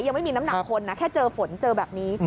ยังไม่มีน้ำหนักคนนะแค่เจอฝนเจอแบบนี้